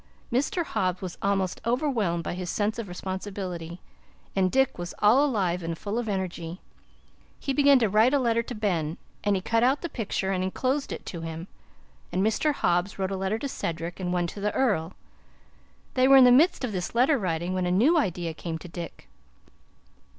Mr. Hobbs was almost overwhelmed by his sense of responsibility, and Dick was all alive and full of energy. He began to write a letter to Ben, and he cut out the picture and inclosed it to him, and Mr. Hobbs wrote a letter to Cedric and one to the Earl. They were in the midst of this letter writing when a new idea came to Dick.